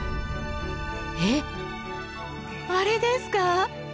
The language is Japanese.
えっあれですか？